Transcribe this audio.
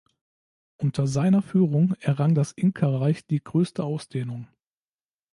Unter seiner Führung errang das Inkareich die größte Ausdehnung.